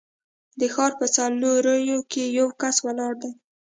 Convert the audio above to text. د ښار په څلورلارې کې یو کس ولاړ دی.